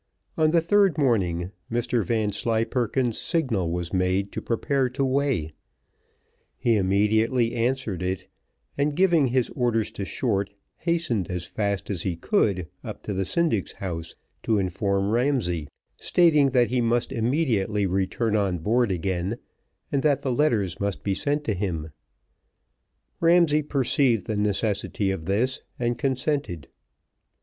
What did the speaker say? On the third morning Mr Vanslyperken's signal was made to prepare to weigh. He immediately answered it, and giving his orders to Short, hastened, as fast as he could, up to the syndic's house to inform Ramsay, stating, that he must immediately return on board again, and that the letters must be sent to him: Ramsay perceived the necessity of this, and consented.